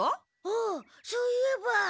ああそういえば。